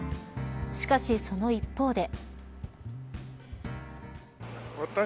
しかし、その一方で。